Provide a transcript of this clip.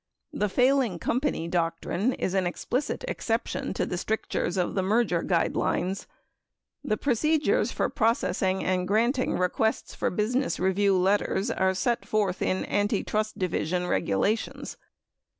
The "failing company doctrine" is an explicit exception to the strictures of the merger guide lines. 15 The procedures for processing and granting requests for busi ness review letters are set forth in Antitrust Division regulations.